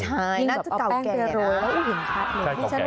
ใช่น่าจะเก่าแก่นะคุณค่ะนี่แบบเอาแป้งเป็นร้อยแล้วอุ่นพัดเลย